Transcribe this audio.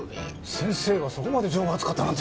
先生がそこまで情が厚かったなんて。